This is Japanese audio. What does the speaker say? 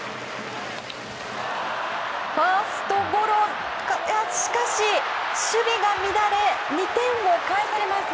ファーストゴロしかし守備が乱れ、２点を返されます。